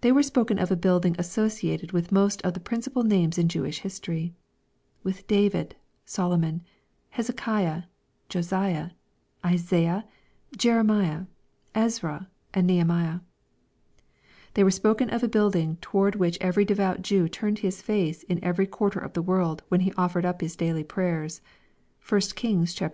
They were spoken of a building associated with most of the principal names in Jewish history ; with David, Solomon, Hezekiah, Josiah, Isaiah, Jere miah, Ezra, and Nehemiah. They were spoken of a building toward which every devout Jew turned his face in every quarter of the world, when he offered up his daily prayers. (1 Kings viii.